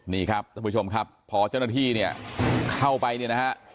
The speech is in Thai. นี่ครับท่านผู้ชมครับพอเจ้าหน้าที่เนี่ยเข้าไปเนี่ยนะฮะ